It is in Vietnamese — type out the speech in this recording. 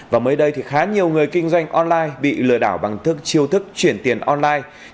và mới đây thì khá nhiều người kinh doanh online bị lừa đảo bằng thước chiêu thức chuyển tiền online